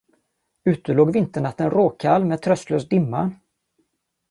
Ute låg vinternatten råkall med tröstlös dimma.